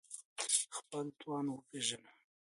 خپل توان وپېژنه